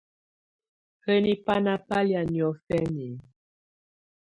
Hǝ́ni banà bà lɛ̀á noɔ̀fɛnɛ?